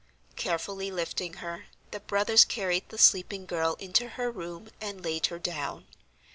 Carefully lifting her, the brothers carried the sleeping girl into her room, and laid her down.